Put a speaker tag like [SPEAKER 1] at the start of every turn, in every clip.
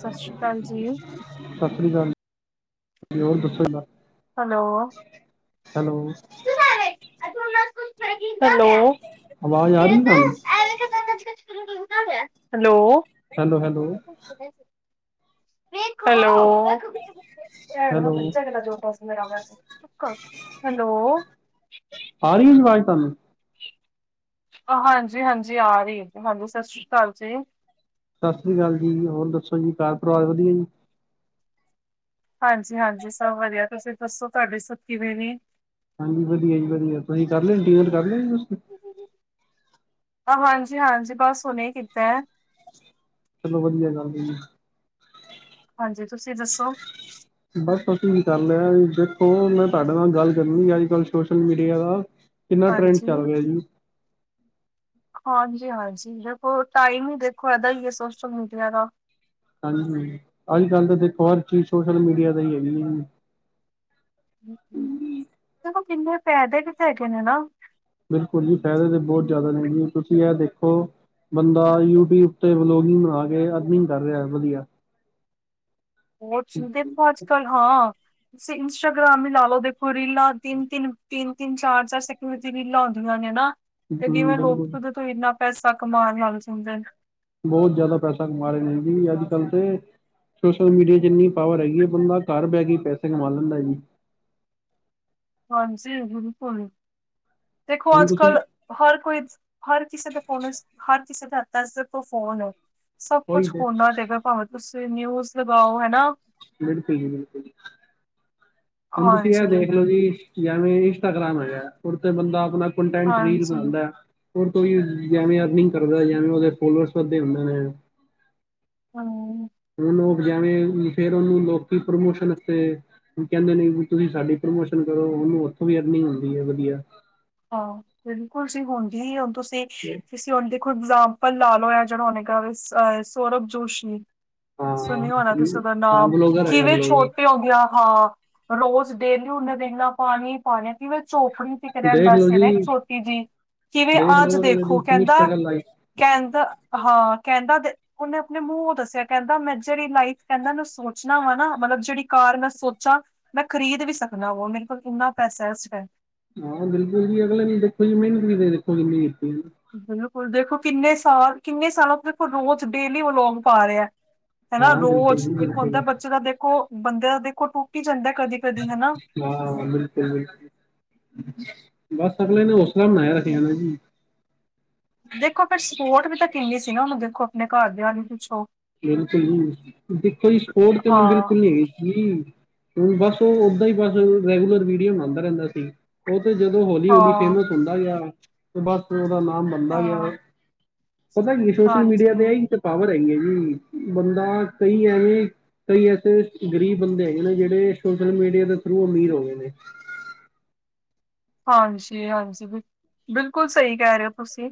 [SPEAKER 1] ਸਤਿ ਸ਼੍ਰੀ ਅਕਾਲ ਜੀ।
[SPEAKER 2] ਸਤਿ ਸ੍ਰੀ ਅਕਾਲ ਜੀ, ਹੋਰ ਦੱਸੋ? [unintelligible]
[SPEAKER 1] ਹੈਲੋ
[SPEAKER 2] ਹੈਲੋ
[SPEAKER 1] ਹੈਲੋ
[SPEAKER 2] ਆਵਾਜ਼ ਆ ਰਹੀ ਤੁਹਾਨੂੰ
[SPEAKER 1] hello
[SPEAKER 2] hello, hello hello
[SPEAKER 1] hello hello
[SPEAKER 2] ਆ ਰਹੀ ਆ ਜੀ ਵਾਜ ਤਾਨੂੰ?
[SPEAKER 1] ਹਾਂਜੀ ਹਾਂਜੀ ਆ ਰਹੀ ਏ, ਹਾਂਜੀ ਸਤਿ ਸ੍ਰੀ ਅਕਾਲ ਜੀ।
[SPEAKER 2] ਸਤਿ ਸ਼੍ਰੀ ਅਕਾਲ ਜੀ, ਹੋਰ ਦੱਸੋ ਜੀ, ਘਰ ਪਰਿਵਾਰ ਵਧੀਆ ਜੀ?
[SPEAKER 1] ਹਾਂਜੀ ਹਾਂਜੀ, ਸਭ ਵਧੀਆ, ਤੁਸੀਂ ਦੱਸੋ ਤੁਹਾਡੇ ਸਭ ਕਿਵੇਂ ਨੇ?
[SPEAKER 2] ਹਾਂਜੀ, ਵਧੀਆ ਜੀ ਵਧੀਆ, ਤੁਸੀਂ ਕਰ ਲਿਅ ਡੀਨਰ ਕਰ ਲਿਆ ਜੀ ਤੁਸੀਂ?
[SPEAKER 1] ਹਾਂਜੀ ਹਾਂਜੀ, ਬਸ ਹੁਣੇ ਈ ਕੀਤਾ ਐ।
[SPEAKER 2] ਚਲੋ, ਵਧੀਆ ਗੱਲ ਏ।
[SPEAKER 1] ਹਾਂਜੀ, ਤੁਸੀਂ ਦੱਸੋ?
[SPEAKER 2] ਬਸ, ਅਸੀਂ ਵੀ ਕਰ ਲਿਆ ਏ। ਦੇਖੋ ਮੈਂ ਤੁਹਾਡੇ ਨਾਲ ਗੱਲ ਕਰਨੀ, ਅੱਜ-ਕੱਲ੍ਹ ਸੋਸ਼ਲ ਮੀਡੀਆ ਦਾ ਕਿੰਨਾ, ਟਰੈਂਡ
[SPEAKER 1] ਹਾਂਜੀ
[SPEAKER 2] ਚੱਲ ਰਿਹਾ ਜੀ।
[SPEAKER 1] ਹਾਂਜੀ ਹਾਂਜੀ, ਦੇਖੋ ਟਾਈਮ ਹੀ ਦੇਖੋ, ਇਦਾਂ ਹੀ ਐ ਸੋਸ਼ਲ ਮੀਡੀਆ ਦਾ
[SPEAKER 2] ਹਾਂਜੀ, ਅੱਜ-ਕੱਲ੍ਹ ਤਾ ਦੇਖੋ ਹਰ ਚੀਜ਼, ਸੋਸ਼ਲ ਮੀਡੀਆ ਦਾ ਹੀ ਹੈਗੀ ਏ ਜੀ।
[SPEAKER 1] ਦੇਖੋ, ਕਿੰਨੇ ਫੈਦੇ ਵੀ ਤੇ ਹੈਗੇ ਨੇ ਨਾ।
[SPEAKER 2] ਬਿਲਕੁਲ ਜੀ, ਫਾਇਦੇ ਤਾਂ ਬਹੁਤ ਜ਼ਿਆਦਾ ਨੇ ਜੀ, ਤੁਸੀਂ ਇਹ ਦੇਖੋ ਬੰਦਾ ਯੂਟਿਊਬ ਤੇ ਵਲੋਗਿੰਗ ਬਣਾ ਕੇ, ਅਰਨਿੰਗ ਕਰ ਰਿਹਾ ਵਧੀਆ
[SPEAKER 1] ਯੂਟਿਊਬ ਤੇ ਸੁਣਦੇ ਪਏ ਅੱਜ ਕੱਲ, ਹਾਂ। ਇੰਸਟਾਗ੍ਰਾਮ ਹੀ ਲਾਲੋ, ਦੇਖੋ ਰੀਲਾ ਤਿੰਨ- ਤਿੰਨ, ਤਿੰਨ- ਤਿੰਨ, ਚਾਰ-ਚਾਰ ਸੈਂਕਿੰਡ ਰੀਲਾ ਹੁੰਦੀਆਂ ਨੇ ਨਾ, ਤੇ
[SPEAKER 2] ਹੂੰ
[SPEAKER 1] ਜਿਵੇਂ ਲੋਕ
[SPEAKER 2] ਬਿਲਕੁਲ
[SPEAKER 1] ਉਦੇ ਤੋਂ ਇਨਾ ਪੈਸਾ ਕਮਾਉਣ ਲੱਗ ਜਾਂਦੇ।
[SPEAKER 2] ਬਹੁਤ ਜ਼ਿਆਦਾ ਪੈਸਾ ਕਮਾ ਰਹੇ ਨੇ ਜੀ, ਅੱਜ ਕੱਲ੍ਹ ਤੇ ਸੋਸ਼ਲ ਮੀਡੀਆ 'ਚ ਇੰਨੀ ਪਾਵਰ ਹੈਗੀ ਏ, ਬੰਦਾ ਘਰ ਬਹਿ ਕੇ ਪੈਸੇ ਕਮਾ ਲੈਂਦਾ ਜੀ।
[SPEAKER 1] ਹਾਂਜੀ ਬਿਲਕੁਲ, ਦੇਖੋ
[SPEAKER 2] ਹੁਣ
[SPEAKER 1] ਅੱਜ
[SPEAKER 2] ਤੁਸੀਂ
[SPEAKER 1] ਕੱਲ ਹਰ ਕੋਈ, ਹਰ ਕਿਸੇ ਦਾ ਫੋਨ, ਹਰ ਕਿਸੇ ਦੇ ਹੱਥਾਂ 'ਚ ਦੇਖੋ ਫੋਨ ਏ ਸਭ
[SPEAKER 2] ਉਹੀ
[SPEAKER 1] ਕੁਛ
[SPEAKER 2] ਤੇ
[SPEAKER 1] ਫੋਨਾਂ 'ਚ ਹੈਗਾ, ਭਾਵੇਂ ਤੁਸੀਂ ਨਿਊਜ਼ ਲਗਾਓ ਹਨਾ।
[SPEAKER 2] ਬਿਲਕੁਲ ਜੀ ਬਿਲਕੁਲ, ਹੁਣ ਤੁੁਸੀ ਆ
[SPEAKER 1] ਹਾਂਜੀ
[SPEAKER 2] ਦੇਖ ਲੋ ਜੀ ਜਿਵੇਂ ਇੰਸਟਾਗ੍ਰਾਮ ਹੈਗਾ, ੳਹਦੇ ਤੇ ਬੰਦਾ ਆਪਣਾ ਕੰਟੈਂਟ, ਰੀਲ
[SPEAKER 1] ਹਾਂਜੀ
[SPEAKER 2] ਬਣਾਂਦੇ ਐਵੇਂ ਅਰਨਿੰਗ ਕਰਦਾ, ਜਿਵੇਂ ਉਹਦੇ ਫੋਲੋਰਸ ਵੱਧਦੇ ਹੁੰਦੇ ਨੇ।
[SPEAKER 1] ਹਾਂ।
[SPEAKER 2] ਹੁਣ ਲੋਕ ਜੈਵੇਂ, ਫੇਰ ਉਹਨੂੰ ਲੋਕੀ ਪ੍ਰਮੋਸ਼ਨ, ਆਸਤੇ ਹੁਣ ਕਹਿੰਦੇ ਨੇ ਵੀ ਤੁਸੀਂ ਸਾਡੀ ਪ੍ਰਮੋਸ਼ਨ ਕਰੋ, ਉਹਨੂੰ ਉੱਥੋਂ ਵੀ ਅਰਨਿੰਗ, ਹੁੰਦੀ ਐ ਵਧੀਆ
[SPEAKER 1] ਹਾਂ ਬਿਲਕੁਲ ਸੀ, ਹੁੰਦੀ ਏ, ਹੁਣ ਤੁਸੀਂ-ਤੁਸੀਂ ਉਦੇ ਇਗਜ਼ਾਮਪਲ ਲਾ ਲਓ, ਇਹ ਜਿਹੜਾ ਉਹਨੇ, ਕਿਹਾ ਅ ਸੌਰਭ ਜੋਸ਼ੀ
[SPEAKER 2] ਹਾਂ
[SPEAKER 1] ਸੁਣਿਆ ਹੋਣਾ ਤੁਸੀਂ ਉਹਦਾ
[SPEAKER 2] ਹਾਂ
[SPEAKER 1] ਨਾਮ,
[SPEAKER 2] ਬਲੋਗਰ ਹੈਗਾ
[SPEAKER 1] ਕਿਵੇਂ
[SPEAKER 2] ਬਲੋਗਰ
[SPEAKER 1] ਛੋਟੇ ਹੁੰਦਿਆ ਹਾਂ ਰੋਜ਼ ਡੇਲੀ ਉਨੇ ਦੇਖਣਾ, ਪਾਣੀ ਪਾਣਾ ਕਿਵੇਂ ਝੋਪੜੀ ਤੇ ਰਹਿੰਦ
[SPEAKER 2] ਦੇਖ ਲੋ
[SPEAKER 1] ਵੈਸੇ
[SPEAKER 2] ਜੀ
[SPEAKER 1] ਮੈ ਛੋਟੀ ਜਿਹੀ, ਜਿਵੇਂ
[SPEAKER 2] ਦੇਖ
[SPEAKER 1] ਆਜ
[SPEAKER 2] ਲੋ ਅਗਲੇ
[SPEAKER 1] ਦੇਖੋ
[SPEAKER 2] ਦੀ ਕਿੰਨੀ
[SPEAKER 1] ਕਹਿੰਦਾ
[SPEAKER 2] ਸਟਰਗਲ ਲਾਈ
[SPEAKER 1] ਕਹਿੰਦਾ ਹਾਂ, ਕਹਿੰਦਾ ਤੇ ਉਹਨੇ ਆਪਣੇ ਮੂੰਹੋਂ ਦੱਸਿਆ, ਕਹਿੰਦਾ ਮੈਂ ਜਿਹੜੀ ਲਾਈਫ ਕਹਿੰਦਾ ਮੈਂ ਸੋਚਣਾ ਵਾ, ਨਾ ਮਤਲਬ ਜਿਹੜੀ ਕਾਰ ਮੈਂ ਸੋਚਾਂ ਮੈਂ ਖਰੀਦ ਵੀ ਸਕਣਾ, ਉਹ ਮੇਰੇ ਕੋਲ ਇੰਨਾ ਪੈਸਾ ਇਸ ਟਾਈਮ
[SPEAKER 2] ਹਾਂ ਬਿਲਕੁਲ ਜੀ, ਅਗਲੇ ਦੀ ਦੇਖੋ ਜੀ ਮਿਹਨਤ ਵੀ ਦੇਖੋ, ਕਿੰਨੀ ਕੀਤੀ ਐ ਨਾ
[SPEAKER 1] ਬਿਲਕੁਲ ਦੇਖੋ, ਕਿੰਨੇ ਸਾਲ- ਕਿੰਨੇ ਸਾਲ ਦੇਖੋ ਰੋਜ਼ ਡੇਲੀ, ਵਲੋਂਗ ਪਾ ਰਿਹਾ ਹਨਾ
[SPEAKER 2] ਹਾਂ ਬਿਲਕੁਲ
[SPEAKER 1] ਰੋਜ਼,
[SPEAKER 2] ਜੀ
[SPEAKER 1] ਦੇਖੋ ਹੁੰਦਾ
[SPEAKER 2] ਬਿਲਕੁਲ
[SPEAKER 1] ਬੱਚੇ ਦਾ ਦੇਖੋ, ਬੰਦੇ ਦਾ ਦੇਖੋ ਟੁੱਟ ਹੀ, ਜਾਂਦਾ ਕਦੀ-ਕਦੀ ਹਨਾ
[SPEAKER 2] ਹਾਂ ਬਿਲਕੁਲ -ਬਿਲਕੁਲ ਬਸ, ਅਗਲੇ ਨੇ ਹੌਸਲਾ ਬਣਾਇਆ ਹੋਇਆ ਨਾ ਸੀ
[SPEAKER 1] ਦੇਖੋ ਫਿਰ, ਸਪੋਰਟ ਵੀ ਤਾਂ ਕਿੰਨੀ ਸੀ, ਨਾ ਉਹਨੂੰ ਦੇਖੋ ਆਪਣੇ ਘਰਦਿਆਂ ਦੀ ਪਿੱਛੋ
[SPEAKER 2] ਬਿਲਕੁਲ ਜੀ ਦੇਖੋ ਜੀ, ਸਪੋਟ ਤੇ ਉਹਨੂੰ
[SPEAKER 1] ਹਾਂ।
[SPEAKER 2] ਬਿਲਕੁਲ ਨਹੀਂ ਸੀ, ਬਸ ਉਹ ਓਦਾਂ ਹੀ, ਬਸ ਉਹ ਰੈਗੂਲਰ, ਵੀਡੀਓ ਬਣਾਂਦਾ ਰਹਿੰਦਾ ਸੀ ਏ ਤੇ ਜਦੋਂ ਹੌਲੀ- ਹੌਲੀ
[SPEAKER 1] ਹਾਂ,
[SPEAKER 2] ਫੇਮਸ ਹੁੰਦਾ ਗਿਆ, ਤੇ ਬਸ ਉਹਦਾ ਨਾਮ ਬਣਦਾ ਗਿਆ
[SPEAKER 1] ਹਾਂ,
[SPEAKER 2] ਪਤਾ ਕੀ, ਸੋਸ਼ਲ ਮੀਡੀਆ ਤੇ,
[SPEAKER 1] ਹਾਂਜੀ,
[SPEAKER 2] ਇਹ ਤੇ ਪਾਵਰ ਹੈਗੀ ਐ ਜੀ, ਬੰਦਾ ਕਈ ਐਵੇਂ ਕਈ ਐਸੇ ਗ਼ਰੀਬ ਬੰਦੇ ਹੈਗੇ ਨੇ, ਜਿਹੜੇ ਸੋਸ਼ਲ ਮੀਡੀਆ ਦੇ ਥਰੂ, ਅਮੀਰ ਹੋ ਗਏ ਨੇ
[SPEAKER 1] ਹਾਂਜੀ, - ਹਾਂਜੀ ਬਿਲ ਬਿਲਕੁਲ ਸਹੀ, ਕਹਿ ਰਹੇ ਹੋ ਤੁਸੀਂ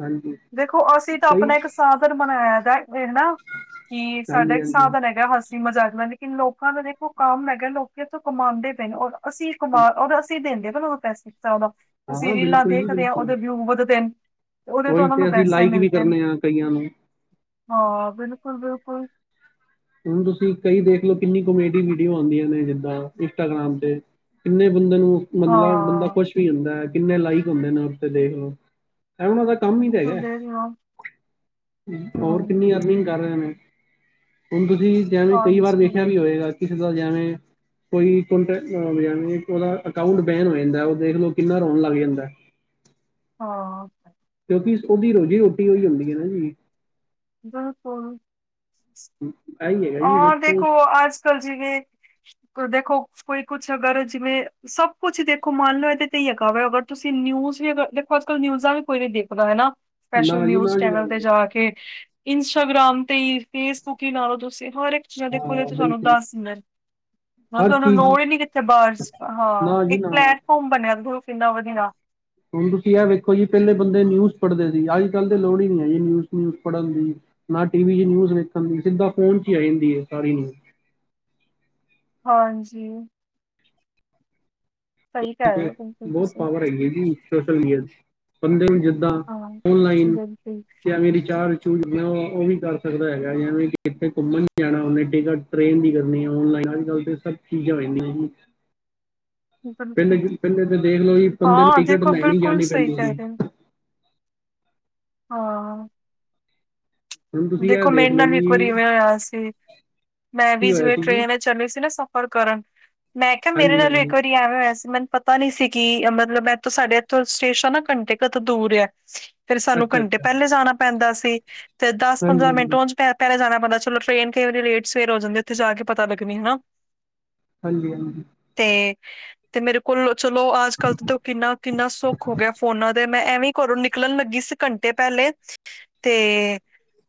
[SPEAKER 2] ਹਾਂਜੀ,
[SPEAKER 1] ਦੇਖੋ, ਅਸੀਂ ਤਾਂ
[SPEAKER 2] ਕਈ
[SPEAKER 1] ਆਪਣਾ, ਇੱਕ ਸਾਥ ਸਾਧਨ ਬਨਾਇਆ ਦਾ ਦੇਖਣਾ ਕਿ, ਸਾਡਾ ਇੱਕ
[SPEAKER 2] ਹਾਂਜੀ-ਹਾਂਜੀ,
[SPEAKER 1] ਸਾਧਨ ਹੈਗਾ ਬਸ ਮਜ਼ਾਕ ਦਾ, ਲੇਕਿਨ ਲੋਕਾਂ ਦਾ ਦੇਖੋ ਕੰਮ ਹੈਗਾ, ਲੋਕੀਂ ਇਥੋਂ ਕਮਾਉਂਦੇ ਪਏ ਨੇ ਔ ਅਸੀਂ ਇੱਕ ਵਾਰ, ਉਦਾ ਅਸੀਂ ਦਿੰਦੇ ਪਏ ਓ ਪੈਸੇ ਚਲੋ ਅਸੀਂ
[SPEAKER 2] ਹਾਂ
[SPEAKER 1] ਰੀਲਾਂ
[SPEAKER 2] ਬਿਲਕੁਲ
[SPEAKER 1] ਤੇ,
[SPEAKER 2] ਜੀ
[SPEAKER 1] ਕਦੇ
[SPEAKER 2] ਬਿਲਕੁਲ।
[SPEAKER 1] ਉਦੇ ਵਿਊ ਵੱਧ ਤੇ ਉਦੇ ਤੋਂ
[SPEAKER 2] ਉਹੀ
[SPEAKER 1] ਉਹਨਾਂ ਨੂੰ
[SPEAKER 2] ਤੇ ਅਸੀਂ
[SPEAKER 1] ਪੈਸੇ
[SPEAKER 2] ਲਾਈਕ ਵੀ
[SPEAKER 1] ਮਿਲਦੇ,
[SPEAKER 2] ਕਰਨੇ ਹਾਂ ਕਈਆਂ ਨੂੰ।
[SPEAKER 1] ਹਾਂ ਬਿਲਕੁਲ- ਬਿਲਕੁਲ
[SPEAKER 2] ਹੁਣ ਤੁਸੀਂ, ਕਈ ਦੇਖ ਲਓ, ਕਿੰਨੀ ਕਮੇਡੀ ਵੀਡੀਓ ਆਉਂਦੀਆਂ ਨੇ, ਜਿੱਦਾਂ ਇੰਸਟਾਗ੍ਰਾਮ ਤੇ ਕਿੰਨੇ ਬੰਦੇ ਨੂੰ ਮਤਲਬ ਬੰਦਾ
[SPEAKER 1] ਹਾਂ
[SPEAKER 2] ਕੁਸ਼ ਵੀ ਹੁੰਦਾ ਏ, ਕਿੰਨੇ ਲਾਈਕ ਹੁੰਦੇ ਨੇ, ਉੱਦੇ ਦੇਖ ਲਓ, ਐ ਉਹਨਾਂ ਦਾ ਕੰਮ ਹੀ ਤੇ
[SPEAKER 1] ਬਿਲਕੁਲ
[SPEAKER 2] ਹੈਗਾ,
[SPEAKER 1] ਦੇ ਰਹੀ ਹਾਂ
[SPEAKER 2] ਹੋਰ ਕਿੰਨੀ
[SPEAKER 1] ਹਮ,
[SPEAKER 2] ਅਰਨਿੰਗ ਕਰ ਰਹੇ ਨੇ ਹੁਣ ਤੁਸੀਂ ਜਿਵੇਂ, ਕਈ ਵਾਰ
[SPEAKER 1] ਹਾਂਜੀ
[SPEAKER 2] ਵੇਖਿਆ ਵੀ ਹੋਏਗਾ, ਕਿਸੇ ਦਾ ਜਿਵੇਂ ਕੋਈ ਕੋਨਟੇਯਸ ਹੋਵੇ, ਉਦਾ ਅਕਾਊਂਟ ਬੈਨ ਹੋ ਜਾਂਦਾ, ਉਹ ਦੇਖ ਲੋ, ਕਿੰਨਾ ਰੋਣ ਲੱਗ ਜਾਂਦਾ
[SPEAKER 1] ਹਾਂ।
[SPEAKER 2] ਕਿਉਂਕਿ, ਉਹਦੀ ਰੋਜ਼ੀ -ਰੋਟੀ ਉਹੀ ਹੁੰਦੀ ਐ ਨਾ ਜੀ
[SPEAKER 1] ਬਿਲਕੁਲ!
[SPEAKER 2] ਇਹੀ ਹੈਗਾ ਜੀ
[SPEAKER 1] ਆ
[SPEAKER 2] ਵੇਖੋ
[SPEAKER 1] ਦੇਖੋ ਅੱਜ- ਕੱਲ ਜਿਵੇਂ ਹੁਣ ਦੇਖੋ ਕੋਈ ਕੁਛ ਅਗਰ ਜਿਵੇਂ, ਸਭ ਕੁਛ ਦੇਖੋ ਮੰਨ ਲਓ ਇਹਦੇ ਤੇ ਹੈਗਾ, ਅਗਰ ਤੁਸੀਂ ਨਿਊਜ਼ ਵੀ ਅੱਜ -ਕਲ੍ਹ ਨਿਊਜ਼ਾਂ ਵੀ ਕੋਈ ਨੀ ਦੇਖਦਾ ਹਨਾ, ਸਪੈਸ਼ਲ
[SPEAKER 2] ਨਾ ਜੀ
[SPEAKER 1] ਨਿਊਜ਼
[SPEAKER 2] ਨਾ ਜੀ ਨਾ
[SPEAKER 1] ਚੈਨਲ ਤੇ
[SPEAKER 2] ਜੀ।
[SPEAKER 1] ਜਾ ਕੇ ਇੰਸਟਾਗ੍ਰਾਮ ਤੇ ਹੀ, ਫੇਸਬੁੱਕ ਹੀ ਲਾ ਲਓ ਤੁਸੀਂ, ਹਰ ਇੱਕ ਜਣੇ ਕੋਲ
[SPEAKER 2] ਹਾਂ
[SPEAKER 1] ਸਾਨੂੰ
[SPEAKER 2] ਬਿਲਕੁਲ
[SPEAKER 1] ਟਸ ਹੁੰਦਾ
[SPEAKER 2] ਹਰ
[SPEAKER 1] ਮਤਲਬ
[SPEAKER 2] ਚੀਜ਼
[SPEAKER 1] ਲੋੜ ਹੀ ਨੀ ਕਿੱਥੇ ਬਸ, ਹਾ
[SPEAKER 2] ਨਾ ਜੀ
[SPEAKER 1] ਇੱਕ
[SPEAKER 2] ਨਾ
[SPEAKER 1] ਪਲੈਟਫਾਰਮ ਬਣਿਆ, ਦੇਖੋ ਕਿੰਨਾ ਵਧੀਆ
[SPEAKER 2] ਹੁਣ ਤੁਸੀਂ ਇਹ ਵੇਖੋ ਜੀ, ਪਹਿਲੇ ਬੰਦੇ ਨਿਊਜ਼ ਪੜ੍ਹਦੇ ਸੀ। ਅੱਜ- ਕੱਲ੍ਹ ਤੇ ਲੋੜ ਹੀ ਨਈ ਹੈਗੀ ਨਿਊਜ਼- ਨਿਊਜ਼ ਪੜ੍ਹਨ ਦੀ ਨਾ, ਟੀ- ਵੀ 'ਚ ਨਿਊਜ਼ ਵੇਖਣ ਦੀ, ਸਿੱਧਾ ਫ਼ੋਨ 'ਚ ਹੀ ਆ ਜਾਂਦੀ ਏ ਸਾਰੀ ਨਿਊਜ਼
[SPEAKER 1] ਹਾਂਜੀ! ਸਹੀ ਕਹਿ
[SPEAKER 2] ਠੀਕ
[SPEAKER 1] ਰਹੇ
[SPEAKER 2] ਏ,
[SPEAKER 1] ਹੋ ਬਿਲਕੁਲ
[SPEAKER 2] ਬਹੁਤ
[SPEAKER 1] ਤੁਸੀਂ
[SPEAKER 2] ਪਾਵਰ ਹੈਗੀ ਹੈ ਜੀ ਸੋਸ਼ਲ ਮੀਡੀਆ ਚ ਬੰਦੇ ਨੂੰ ਜਿੱਦਾਂ
[SPEAKER 1] ਹਾਂ।
[SPEAKER 2] ਔਨਲਾਈਨ
[SPEAKER 1] ਬਿਲਕੁਲ,
[SPEAKER 2] ਜਾਂ ਰਿਚਾਰਜ। ਹੁਣ ਉਹ ਵੀ ਕਰ ਸਕਦਾ ਹੈਗਾ। ਜਿਵੇਂ ਕਿ ਕਿੱਤੇ ਘੁੰਮਣ ਜਾਣਾ ਹੋਵੇ, ਟਿਕਟ ਟ੍ਰੇਨ ਦੀ ਕਰਨੀ ਔਨਲਾਈਨ ਅੱਜ ਕੱਲ੍ਹ। ਇਹ ਸਭ ਚੀਜ਼ਾਂ ਹੋ ਜਾਂਦੀਆਂ।
[SPEAKER 1] ਬਿਲਕੁਲ,
[SPEAKER 2] ਪਹਿਲੇ ਪਹਿਲੇ ਤੇ ਦੇਖ ਲਓ ਜੀ ਬੰਦੇ ਨੂੰ
[SPEAKER 1] ਹਾਂ,
[SPEAKER 2] ਟਿਕਟ
[SPEAKER 1] ਦੇਖੋ
[SPEAKER 2] ਲੈਣੀ
[SPEAKER 1] ਬਿਲਕੁਲ
[SPEAKER 2] ਜਾਣੀ
[SPEAKER 1] ਸਹੀ
[SPEAKER 2] ਪੈਂਦੀ
[SPEAKER 1] ਕਹਿ
[SPEAKER 2] ਸੀ
[SPEAKER 1] ਰਹੇ ਨ। ਹਾਂ!
[SPEAKER 2] ਹੁਣ ਤੁਸੀਂ ਇਹ
[SPEAKER 1] ਦੇਖੋ
[SPEAKER 2] ਦੇਖ
[SPEAKER 1] ਮੇਰੇ
[SPEAKER 2] ਲਓ
[SPEAKER 1] ਨਾਲ ਵੀ ਇੱਕ ਵਾਰੀ
[SPEAKER 2] ਜੀ
[SPEAKER 1] ਇਵੇਂ ਹੋਇਆ ਸੀ, ਮੈਂ
[SPEAKER 2] ਕੀ
[SPEAKER 1] ਵੀ
[SPEAKER 2] ਹੋਇਆ
[SPEAKER 1] ਜਿਵੇਂ
[SPEAKER 2] ਸੀ ਜੀ
[SPEAKER 1] ਟ੍ਰੇਨ ਚੱਲ ਸੀ ਨਾ ਸਫ਼ਰ ਕਰਨ, ਮੈਂ ਕਿਹਾ, ਮੇਰੇ
[SPEAKER 2] ਹਾਂਜੀ
[SPEAKER 1] ਨਾਲ਼
[SPEAKER 2] ਹਾਂਜੀ
[SPEAKER 1] ਇੱਕ ਵਾਰੀ ਐਵੇਂ ਹੋਇਆ ਸੀ ਮੈਂ ਪਤਾ ਨੀ ਸੀ ਕਿ ਮਤਲਬ ਇੱਥੋਂ ਸਾਡੇ ਇੱਥੋਂ ਸਟੇਸ਼ਨ ਨਾ ਘੰਟੇ ਕੁ ਤੋਂ ਦੂਰ ਹੈ। ਫੇਰ ਸਾਨੂੰ
[SPEAKER 2] ਅੱਛਾ
[SPEAKER 1] ਘੰਟੇ
[SPEAKER 2] ਅੱਛਾ
[SPEAKER 1] ਪਹਿਲੇ ਜਾਣਾ ਪੈਂਦਾ ਸੀ, ਤੇ ਦਸ ਪੰਦਰਾਂ ਮਿੰਟ
[SPEAKER 2] ਹਾਂਜੀ-ਹਾਂਜੀ,
[SPEAKER 1] ਉਂਝ ਪਹਿਲੇ ਜਾਣਾ ਪੈਣਾ ਚਲੋ, ਟ੍ਰਰੇਨ ਕਈ ਵਾਰੀ ਲੇਟ ਸਵੇਰ ਹੋ ਜਾਂਦੀ ਹੈ। ਉੱਥੇ ਜਾ ਕੇ ਪਤਾ ਲੱਗਣੀ ਹਨਾ।
[SPEAKER 2] ਹਾਂਜੀ- ਹਾਂਜੀ।
[SPEAKER 1] ਤੇ। ਤੇ ਮੇਰੇ ਕੋਲੋਂ ਚਲੋ, ਅੱਜ ਕੱਲ ਤੋਂ, ਕਿੰਨਾ -ਕਿੰਨਾ, ਸੁੱਖ ਹੋ ਗਿਆ ਫੋਨਾਂ ਤੇ ਮੈਂ ਐਵੀਂ ਘਰੋਂ ਨਿਕਲਣ ਲੱਗੀ ਸੀ, ਘੰਟੇ ਪਹਿਲੇ ਤੇ।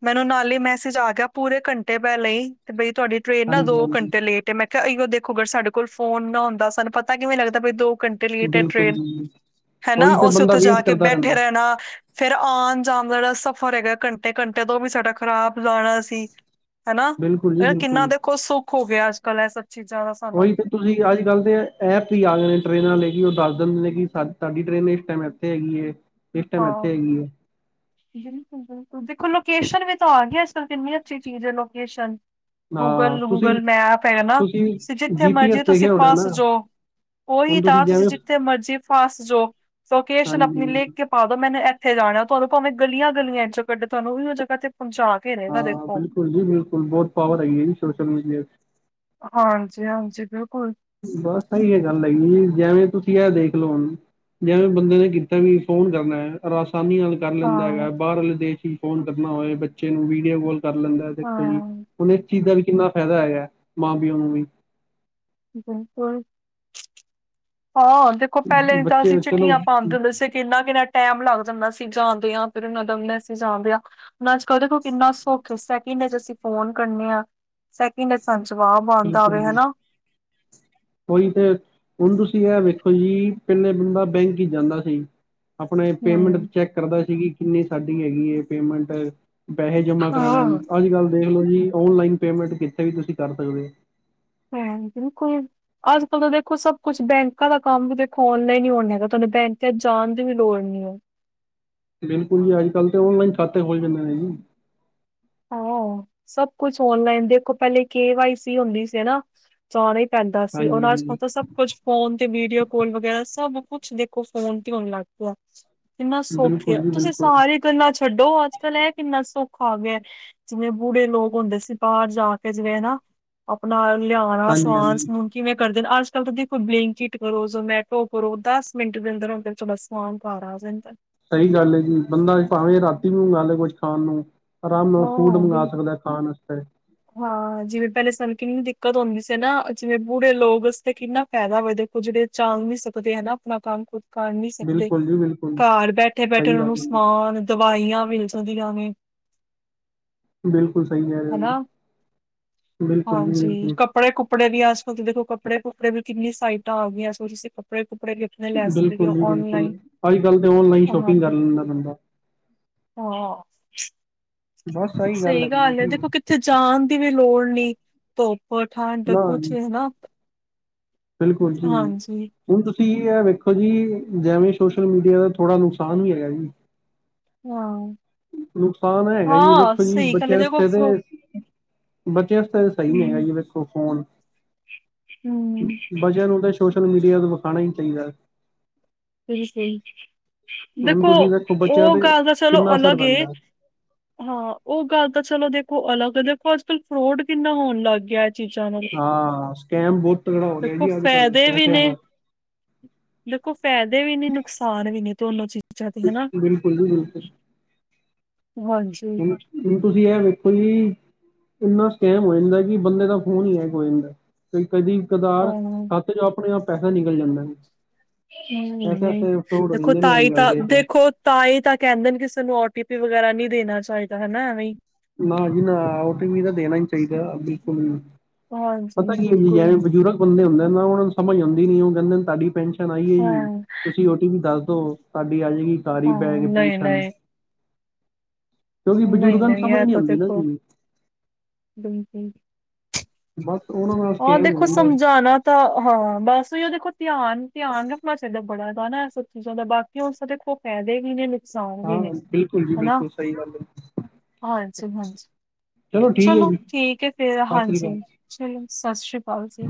[SPEAKER 1] ਮੈਨੂੰ ਨਾਲੇ, ਹੀ ਮੈਸੇਜ ਆ ਗਿਆ, ਪੂਰੇ ਘੰਟੇ ਪਹਿਲਾਂ ਹੀ ਵੀ ਤੁਹਾਡੀ ਟ੍ਰਰੇਨ ਨਾ ਦੋ
[SPEAKER 2] ਹਾਂਜੀ-ਹਾਂਜੀ,
[SPEAKER 1] ਘੰਟੇ ਲੇਟ ਤੇ ਮੈਂ ਕਿਹਾ, ਇਹੋ ਦੇਖੋ ਅਗਰ ਸਾਡੇ, ਕੋਲ ਫ਼ੋਨ ਨਾ ਹੁੰਦਾ, ਸਾਨੂੰ ਪਤਾ ਕਿਵੇਂ ਲੱਗਦਾ ਵੀ ਦੋ। ਘੰਟੇ ਲੇਟ ਹੈ,
[SPEAKER 2] ਬਿਲਕੁਲ
[SPEAKER 1] ਟ੍ਰੇਨ
[SPEAKER 2] ਜੀ।
[SPEAKER 1] ਹੈ, ਨਾ
[SPEAKER 2] ਉਹੀ ਤੇ
[SPEAKER 1] ਅਸੀਂ
[SPEAKER 2] ਬੰਦਾ
[SPEAKER 1] ਉੱਥੇ ਜਾ
[SPEAKER 2] ਵੇਟ
[SPEAKER 1] ਕੇ
[SPEAKER 2] ਕਰਦਾ
[SPEAKER 1] ਬੈਠੇ
[SPEAKER 2] ਰਹਿੰਦਾ,
[SPEAKER 1] ਰਹਿਣਾ ਫੇਰ ਆਉਣ ਜਾਣ ਦਾ, ਜਿਹੜਾ ਸਫ਼ਰ ਹੈਗਾ, ਘੰਟੇ ਘੰਟੇ ਤੋਂ, ਉਹ ਵੀ ਸਾਡਾ ਖ਼ਰਾਬ ਜਾਣਾ ਸੀ। ਹੈਨਾ,
[SPEAKER 2] ਬਿਲਕੁਲ ਜੀ
[SPEAKER 1] ਇਹ ਕਿੰਨਾ,
[SPEAKER 2] ਬਿਲਕੁਲ।
[SPEAKER 1] ਦੇਖੋ ਸੁੱਖ ਹੋ ਗਿਆ ਅੱਜ ਕੱਲ ਇਹ ਸਭ ਚੀਜ਼ਾਂ ਦਾ
[SPEAKER 2] ਉਹੀ
[SPEAKER 1] ਸਾਨੂੰ
[SPEAKER 2] ਤੇ। ਤੁਸੀਂ ਅੱਜ ਕੱਲ ਤੇ ਇਹ ਐਪ ਹੀ ਆ ਗਏ ਨੇ, ਟ੍ਰਰੇਨਾਂ ਲ ਲਈ ਕਿ ਉਹ ਦੱਸ ਦਿੰਦੇ ਨੇ ਕਿ ਸਾਡੀ ਟ੍ਰੇਨ ਲੇਟ ਟਾਈਮ ਆਂ। ਹੈਗੀ ਹੈ।
[SPEAKER 1] ਹਾਂ। ਦੇਖੋ, ਲੋਕੇਸ਼ਨ ਵੀ ਤਾਂ ਆ ਗਈ ਹੈ, ਅੱਜ ਕੱਲ੍ਹ ਕਿੰਨੀ ਅੱਛੀ ਚੀਜ਼ ਹੈ ਲੋਕੇਸ਼ਨ।
[SPEAKER 2] ਹਾਂ,
[SPEAKER 1] ਗੂਗਲ-
[SPEAKER 2] ਤੁਸੀਂ
[SPEAKER 1] ਗੂਗਲ ਮੈਪ, ਹੈ, ਨਾ
[SPEAKER 2] ਤੁਸੀਂ
[SPEAKER 1] ਜਿੱਥੇ
[SPEAKER 2] ਜੀ ਪੀ ਐਸ
[SPEAKER 1] ਮਰਜ਼ੀ ਤੁਸੀਂ
[SPEAKER 2] ਦੇਖਿਆ ਹੋਣਾ
[SPEAKER 1] ਫਸ
[SPEAKER 2] ਨਾ,
[SPEAKER 1] ਜਾਓ ਉਹੀ
[SPEAKER 2] ਹੁਣ
[SPEAKER 1] ਤਾਂ, ਤੁਸੀਂ
[SPEAKER 2] ਜਿਵੇਂ
[SPEAKER 1] ਜਿੱਥੇ ਮਰਜ਼ੀ ਫਸ ਜਾਓ, ਲੋਕੇਸ਼ਨ ਆਪਣੀ
[SPEAKER 2] ਹਾਂਜੀ,
[SPEAKER 1] ਲਿਖ। ਕੇ ਪਾ ਦੋ, ਮੈਨੇ ਇਥੇ ਜਾਣਾ ਆ, ਤੁਹਾਨੂੰ ਭਾਵੇਂ ਗਲੀਆਂ -ਗਲੀਆਂ, ਚੋਂ ਕੱਢੇ ਤੁਹਾਨੂੰ ਉਹੀ ਜਗ੍ਹਾ ਤੇ ਪਹੁੰਚਾ ਕੇ
[SPEAKER 2] ਹਾਂ
[SPEAKER 1] ਰਹੇਗਾ, ਦੇਖੋ।
[SPEAKER 2] ਬਿਲਕੁਲ ਜੀ ਬਿਲਕੁਲ, ਬਹੁਤ ਪਾਵਰ ਹੈਗੀ ਜੀ, ਸੋਸ਼ਲ ਮੀਡੀਆ 'ਚ।
[SPEAKER 1] ਹਾਂਜੀ- ਹਾਂਜੀ, ਬਿਲਕੁਲ।
[SPEAKER 2] ਬਸ ਸਹੀ ਹੈ, ਗੱਲ ਹੈਗੀ ਜੀ, ਜਿਵੇਂ ਤੁਸੀਂ ਐ ਦੇਖ ਲਓ ਹੁਣ ਜਿਵੇਂ ਬੰਦੇ ਨੇ, ਕੀਤਾ ਵੀ ਫ਼ੋਨ ਕਰਨਾ ਹੈ, ਔਰ ਆਸਾਨੀ ਨਾਲ ਹੀ। ਕਰ ਲੈਂਦਾ ਹੈਗਾ,
[SPEAKER 1] ਹਾਂ-ਹਾਂ
[SPEAKER 2] ਬਾਹਰਲੇ ਦੇਸ਼ ਵਿੱਚ, ਫ਼ੋਨ ਕਰਨਾ ਹੋਵੇ, ਬੱਚੇ ਨੂੰ ਵੀਡੀਓ ਕੌਲ ਕਰ ਲੈਂਦਾ ਦੇਖੋ ਜੀ, ਹੁਣ, ਇਸ ਚੀਜ਼ ਦਾ ਵੀ, ਕਿੰਨਾ ਫਾਇਦਾ, ਹੈਗਾ ਮਾਂ ਪਿਓ ਨੂੰ ਵੀ
[SPEAKER 1] ਬਿਲਕੁਲ, ਹਾਂ। ਦੇਖੋ, ਪਹਿਲੇ, ਤਾਂ ਅਸੀਂ,
[SPEAKER 2] ਬੱਚੇ ਚਲੋ
[SPEAKER 1] ਚਿੱਠੀਆਂ ਪਾਉਂਦੇ ਹੁੰਦੇ, ਸੀ ਕਿੰਨਾ -ਕਿੰਨਾ। ਟੈਮ ਲੱਗ ਜਾਂਦਾ ਸੀ, ਜਾਂਦਿਆਂ ਫਿਰ ਉਹਨਾਂ ਦਾ ਹੁੰਦਾ ਸੀ, ਜਾਂਦਿਆਂ ਹੁਣ, ਅੱਜ ਕੱਲ੍ਹ ਦੇਖੋ ਕਿੰਨਾ ਸੁੱਖ ਇੰਨੇ ਤਾਂ, ਅਸੀਂ ਫ਼ੋਨ ਕਰਨੇ ਹਾਂ, ਸੈਕਿੰਡ 'ਚ ਸਾਨੂੰ ਜਵਾਬ ਬੰਦ ਆਵੇ ਹੈਨਾ
[SPEAKER 2] ਕੋਈ ਤੇ ਹੁਣ, ਤੁਸੀਂ ਇਹ ਵੇਖੋ ਜੀ, ਪਿੰਨੇ ਬੰਦਾ ਬੈਂਕ 'ਚ ਜਾਂਦਾ ਜੀ। ਆਪਣੇ ਪੇਮੈਂਟ
[SPEAKER 1] ਹੂੰ
[SPEAKER 2] ਚੈੱਕ ਕਰਦਾ ਸੀ, ਕਿ ਕਿੰਨੀ ਸਾਡੀ ਹੈਗੀ ਹੈ ਪੇਮੈਂਟ ਪੈਸੇ ਜਮਾ
[SPEAKER 1] ਹਾਂ।
[SPEAKER 2] ਕਰਾਣਾ, ਅੱਜ ਕੱਲ ਦੇਖ ਲਓ ਜੀ, ਓਨਲਾਈਨ ਪੇਮੈਂਟ, ਕਿੱਥੇ ਵੀ ਤੁਸੀਂ ਕਰ ਸਕਦੇ ਹੋ।
[SPEAKER 1] [unintelligible] ਅੱਜ ਕੱਲ੍ਹ, ਤਾਂ ਦੇਖੋ, ਸਭ ਕੁਛ ਬੈਂਕਾਂ ਦਾ ਕੰਮ ਵੀ, ਦੇਖੋ, ਔਨਲਾਈਨ ਹੀ ਹੋਣਾ ਹੈਗਾ, ਤੁਹਾਨੂੰ, ਬੈਂਕ ਜਾਣ ਦੀ ਵੀ ਲੋੜ ਨਹੀਂ ਹੈ।
[SPEAKER 2] ਬਿਲਕੁਲ ਜੀ, ਅੱਜ ਕੱਲ੍ਹ ਤੇ, ਔਨਲਾਈਨ ਖਾਤੇ ਹੋ ਜਾਂਦੇ ਨੇ ਜੀ
[SPEAKER 1] ਹਾਂ, ਸਭ ਕੁਛ, ਔਨਲਾਈਨ ਦੇਖੋ, ਪਹਿਲੇ ਕੇ ਵਾਈ ਸੀ ਹੁੰਦੀ ਸੀ। ਜਾਨਾ ਈ ਪੈਂਦਾ ਸੀ
[SPEAKER 2] ਹਾਂਜੀ
[SPEAKER 1] ਹੁਨ ਅੱਜ-ਕੱਲ
[SPEAKER 2] ਹਾਂਜੀ
[SPEAKER 1] ਤਾ ਸਬ ਕੁਛ ਫੋਨ ਤੇ ਵੀਡੀਓ ਕੋਲ ਵਗੈਰਾ ਸਬ ਕੁਛ ਦੇਖੋ ਫੋਨ ਤੇ ਹੋਨ ਲੱਗ ਗਈ। ਕਿੰਨਾ ਸੌਖੇ
[SPEAKER 2] ਬਿਲਕੁਲ
[SPEAKER 1] ਆ
[SPEAKER 2] ਜੀ
[SPEAKER 1] ਤੁਸੀਂ
[SPEAKER 2] ਬਿਲਕੁਲ
[SPEAKER 1] ਸਾਰੀਆਂ ਗੱਲਾਂ ਛੱਡੋ ਅੱਜ-ਕੱਲ ਏ ਕਿੰਨਾ ਸੌਖਾ ਆ ਗੇਆ। ਜਿਵੇਂ ਬੂੜੇ ਲੋਕ ਹੁੰਦੇ ਸੀ ਬਾਰ ਜਾ ਕੇ ਜਿਵੇਂ ਨਾ ਆਪਨਾ ਲਿਔਨਾ
[SPEAKER 2] ਹਾਂਜੀ
[SPEAKER 1] ਸਮਾਨ
[SPEAKER 2] ਹਾਂਜੀ
[SPEAKER 1] ਸਮੂਨ ਕਿਵੇਂ ਕਰਦੇ ਨੇ ਅੱਜ-ਕੱਲ ਤਾਂ ਦੇਖੋ ਬਲਿੰਕਿਟ ਕਰੋ ਜ਼ਮੈਟੋ ਕਰੋ ਦਸ ਮਿੰਟ ਦੇ ਅੰਦਰ-ਅੰਦਰ ਚ ਫੋਨ ਪਾਰ ਆ ਜਾਂਦੈ।
[SPEAKER 2] ਸਈ ਗੱਲ ਏ ਜੀ ਬੰਦਾ ਭਾਵੇਂ ਰਾਤੀ ਮੰਗਾ ਲੇ ਕੁਛ ਖਾਨ ਨੂੰ ਆਰਾਮ ਨਾਲ ਫੂਡ
[SPEAKER 1] ਹਾਂ
[SPEAKER 2] ਮੰਗਵਾ
[SPEAKER 1] ਬਿਲ
[SPEAKER 2] ਸਕਦਾ ਖਾਨ ਵਾਸਤੇ
[SPEAKER 1] ਹਾਂ ਜਿਵੇਂ ਪੈਲੇ ਸਾਨੂੰ ਕਿੰਨੀ ਦਿੱਕਤ ਹੋਂਦੀ ਸੀ ਨਾ ਜਿਵੇਂ ਬੂੜੇ ਲੋਕ ਉਸਤੇ ਕੀ ਨਾ ਫੈਦਾ ਹੋਵੇ ਦੇਖੋ ਜੇੜੇ ਚਾਂਗ ਨੀ ਸਕਦੇ ਹਨਾ ਆਪਨਾ ਕੰਮ ਖੁਦ ਕਰ ਨੀ ਸਕਦੇ
[SPEAKER 2] ਬਿਲਕੁਲ ਜੀ ਬਿਲਕੁਲ
[SPEAKER 1] ਘਰ ਬੈਠੇ-ਬੈਠੇ
[SPEAKER 2] ਸਹੀ ਗੱਲ
[SPEAKER 1] ਓਨੂੰ
[SPEAKER 2] ਹੈ ਜੀ
[SPEAKER 1] ਸਮਾਨ ਦਵਾਈਆਂ ਮਿਲ ਜਾਂਦੀਆਂ ਨੇ।
[SPEAKER 2] ਬਿਲਕੁਲ ਸਈ ਕੈ ਰਏ ਓਂ ਜੀ।
[SPEAKER 1] ਹਨਾ।
[SPEAKER 2] ਬਿਲਕੁਲ ਜੀ
[SPEAKER 1] ਹਾਂਜੀ ਕ
[SPEAKER 2] ਬਿਲਕੁਲ
[SPEAKER 1] ਕੱਪੜੇ ਕੁਪੜੇ ਦੀਆਂ ਅਜ-ਕਲ ਦੇਖੋ ਕੱਪੜੇ ਕੁਪੜੇ ਦੀਆਂ ਕਿੰਨੀ ਸਾਈਟਾਂ ਹੋ ਗਈਆਂ ਹੁਨ ਤੁਸੀਂ ਕਪੜੇ ਕੁੱਪੜੇ ਵੀ ਆਪਣੇ ਲੈ ਸਕਦੇ
[SPEAKER 2] ਬਿਲਕੁਲ
[SPEAKER 1] ਹੋ
[SPEAKER 2] ਜੀ ਬਿਲਕੁਲ
[SPEAKER 1] ਔਨਲਾਈਨ।
[SPEAKER 2] ਅੱਜ-ਕੱਲ ਤੇ ਔਨਲਾਈਨ
[SPEAKER 1] ਹਾਂ,
[SPEAKER 2] ਸ਼ੋਪਿੰਗ ਕਰ ਲੈਂਦਾ ਬੰਦਾ।
[SPEAKER 1] ਹਾਂ
[SPEAKER 2] ਬਸ ਆਹੀ
[SPEAKER 1] ਸਈ
[SPEAKER 2] ਹੈਗੀ ਹੈ
[SPEAKER 1] ਗੱਲ ਐ
[SPEAKER 2] ਜੀ
[SPEAKER 1] ਦੇਖੋ ਕਿੱਥੇ ਜਾਨ ਦੀ ਵੀ ਲੋੜ ਨੀ, ਧੁੱਪ ਠੰਡ
[SPEAKER 2] ਨਾ
[SPEAKER 1] ਕੁਛ
[SPEAKER 2] ਜੀ
[SPEAKER 1] ਹਨਾ
[SPEAKER 2] ਬਿਲਕੁਲ ਜੀ।
[SPEAKER 1] ਹਾਂਜੀ,
[SPEAKER 2] ਹੁਨ ਤੁਸੀਂ ਐ ਵੇਖੋ ਜੀ ਜੈਵੇਂ ਸੋਸ਼ਲ ਮੀਡੀਆ ਦਾ ਥੋੜਾ ਨੁਕਸਾਨ ਵੀ ਹੈਗਾ ਜੀ।
[SPEAKER 1] ਹਾਂ।
[SPEAKER 2] ਨੁਕਸਾਨ ਹੈਗਾ ਜੀ
[SPEAKER 1] ਹਾਂ,
[SPEAKER 2] ਵੇਖੋ ਜੀ
[SPEAKER 1] ਸਹੀ ਗੱਲ
[SPEAKER 2] ਬੱਚੇ
[SPEAKER 1] ਹੈ ਦੇਖੋ
[SPEAKER 2] ਰਸਤੇ
[SPEAKER 1] ਫ
[SPEAKER 2] ਤੇ ਬੱਚੇ ਅਜੇ ਤੱਕ ਤਾਂ ਸਈ ਨੇ ਹੈਗਾ
[SPEAKER 1] ਹੂੰ,
[SPEAKER 2] ਜੀ ਵੇਖੋ ਫੋਨ
[SPEAKER 1] ਹੂੰ
[SPEAKER 2] ਬੱਚੇਆਂ ਨੂੰ ਤੇ ਸੋਸ਼ਲ ਮੀਡੀਆ ਨੂੰ ਵਿਖਾਨਾ ਈ ਚਈਦੈ।
[SPEAKER 1] ਸ ਸਈ
[SPEAKER 2] ਹੁਣ
[SPEAKER 1] ਦੇਖੋ
[SPEAKER 2] ਤੁਸੀਂ ਵੇਖੋ ਬੱਚਿਆਂ
[SPEAKER 1] ਓ
[SPEAKER 2] ਤੇ
[SPEAKER 1] ਗੱਲ ਤਾਂ ਚਲੋ
[SPEAKER 2] ਕਿੰਨਾ ਅਸਰ
[SPEAKER 1] ਅਲੱਗ ਏ
[SPEAKER 2] ਪੈਂਦਾ।
[SPEAKER 1] ਹਾਂ ਓ ਗੱਲ ਤਾਂ ਚਲੋ ਦੇਖੋ ਅਲੱਗ ਐ, ਦੇਖੋ ਅੱਜ-ਕੱਲ ਫਰੋਡ ਕਿੰਨਾ ਹੋਨ ਲਾਗੇਆ ਚੀਜ਼ਾਂ ਨਾਲ,
[SPEAKER 2] ਹਾਂ ਸਕੈਮ ਬਹੁਤ ਤਗੜਾ ਹੋ ਰਿਹਾ
[SPEAKER 1] ਦੇਖੋ
[SPEAKER 2] ਜੀ ਅੱਜ ਕੱਲ੍ਹ
[SPEAKER 1] ਫੈਦੇ ਵੀ
[SPEAKER 2] ਪੈਸਿਆਂ
[SPEAKER 1] ਨੇ
[SPEAKER 2] ਦਾ।
[SPEAKER 1] ਦੇਖੋ ਫਾਇਦੇ ਵੀ ਨੇ, ਨੁਕਸਾਨ ਵੀ ਨੇ ਦੋਨੋਂ ਚੀਜ਼ ਚੀਜ਼ਾਂ ਦੇ ਹਨਾ,
[SPEAKER 2] ਬਿਲਕੁਲ ਜੀ ਬਿਲਕੁਲ
[SPEAKER 1] ਹਾਂਜੀ।
[SPEAKER 2] ਹੁਨ ਤੁਸੀਂ ਐ ਵੇਖੋ ਜੀ ਏਨਾ ਸਕੈਮ ਹੋ ਜਾਂਦਾ ਕੀ ਬੰਦੇ ਦਾ ਫੋਨ ਈ ਹੈਕ ਹੋ ਜਾਂਦੈ। ਕਦੀ ਕਦਾਰ
[SPEAKER 1] ਹਾਂ,
[SPEAKER 2] ਖਾਤੇ ਚੋਂ ਆਪਨੇ ਆਪ ਪੈਸਾ ਨਿਕਲ ਜਾਂਦੈ।
[SPEAKER 1] ਹੂੰ ਨਈਂ, ਦੇਖੋ
[SPEAKER 2] ਨੇ ਅੱਜ
[SPEAKER 1] ਤਾਈਂ
[SPEAKER 2] ਕੱਲ
[SPEAKER 1] ਤਾਂ
[SPEAKER 2] ਦੇਖ ਲਓ।
[SPEAKER 1] ਦੇਖੋ ਤਾਂਈ ਤਾਂ ਕੈਂਦੇ ਨੇ ਕਿਸੇ ਨੂੰ ਓ ਟੀ ਪੀ ਵਗੈਰਾ ਨੀ ਦੇਨਾ ਚਾਈਦਾ ਹਨਾ ਐਵੀਂ
[SPEAKER 2] ਨਾ ਜੀ ਨਾ ਓ ਟੀ ਪੀ ਤਾਂ ਦੇਨਾ ਈ ਨੀ ਚਾਈਦਾ ਬਿਲਕੁਲ ਵੀ।
[SPEAKER 1] ਹਾਂਜੀ,
[SPEAKER 2] ਪਤਾ ਕੀ ਹੋਈਂ ਜਾ
[SPEAKER 1] ਬਿਲਕੁਲ।
[SPEAKER 2] ਰੈਆ ਬਜ਼ੁਰਗ ਬੰਦੇ ਹੁੰਦੇ ਨਾ ਓਨਾਂ ਨੂੰ ਸਮਜ ਆਂਦੀ ਨੀ ਓ ਕੈਂਦੇ ਤਾਡੀ ਪੈਨਸ਼ਨ ਆਈ ਐ ਜੀ।
[SPEAKER 1] ਹਾਂ-ਹਾਂ,
[SPEAKER 2] ਤੁਸੀਂ ਓ ਟੀ ਪੀ ਦੱਸ ਦੋ ਤਾਡੀ ਆ ਜੇਗੀ ਸਾਰੀ ਬੈਗ ਪੈਨਸ਼ਨ
[SPEAKER 1] ਨਹੀਂ-ਨਹੀਂ,
[SPEAKER 2] ਕਿਉਂਕਿ ਬਜ਼ੁਰਗਾਂ ਨੂੰ
[SPEAKER 1] ਨਈਂ-ਨਈਂ
[SPEAKER 2] ਸਮਝ
[SPEAKER 1] ਐ
[SPEAKER 2] ਨੀ
[SPEAKER 1] ਤਾਂ
[SPEAKER 2] ਆਉਂਦੀ ਨਾ
[SPEAKER 1] ਦੇਖੋ,
[SPEAKER 2] ਜੀ
[SPEAKER 1] ਬਿਲਕੁਲ
[SPEAKER 2] ਬਸ ਉਹਨਾਂ ਨਾਲ
[SPEAKER 1] ਹਾਂ
[SPEAKER 2] ਸਕੈਮ ਹੋ
[SPEAKER 1] ਦੇਖੋ
[SPEAKER 2] ਜਾਂਦਾ
[SPEAKER 1] ਸਮਝਾਨਾ ਤਾਂ ਹਾਂ ਬਸ ਓਈ ਐ ਦੇਖੋ ਧਿਆਨ-ਧਿਆਨ ਰਖਨਾ ਚਈਦੈ ਬੜੇਆਂ ਦਾ ਨਾ ਏ ਸਭ ਚੀਜ਼ਾਂ ਦਾ ਬਾਕੀ ਕੇ ਓਸਦੇ ਦੇਖੋ ਫੈਦੇ ਵੀ ਨੇ ਨੁ
[SPEAKER 2] ਹਾਂ ਬਿਲਕੁਲ ਜੀ ਬਿਲਕੁਲ ਸਈ ਗੱਲ ਏ।
[SPEAKER 1] ਹਾਂਜੀ ਹਾਂਜੀ,
[SPEAKER 2] ਠੀਕ ਹੈ
[SPEAKER 1] ਚਲੋ
[SPEAKER 2] ਜੀ
[SPEAKER 1] ਠੀਕ ਹੈ ਫੇਰ
[SPEAKER 2] ਸਤਿ ਸ੍ਰੀ
[SPEAKER 1] ਹਾਂਜੀ।
[SPEAKER 2] ਅਕਾਲ
[SPEAKER 1] ਚਲੋ, ਸਤਿ ਸ੍ਰੀ ਅਕਾਲ ਜੀ।